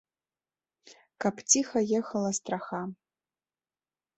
Каб ціха ехала страха.